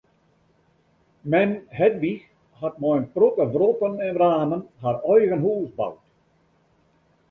Mem Hedwig hat mei in protte wrotten en wramen har eigen hûs boud.